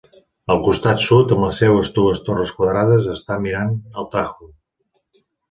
El costat sud, amb les seues dues torres quadrades, està mirant al Tajo.